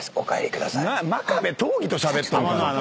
真壁刀義としゃべっとんか？